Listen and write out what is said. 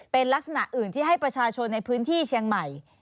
เป็นลักษณะอื่นที่ให้ประชาชนในพื้นที่เชียงใหม่